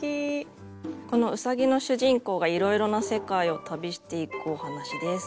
このうさぎの主人公がいろいろな世界を旅していくお話です。